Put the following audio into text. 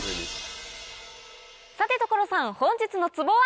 さて所さん本日のツボは？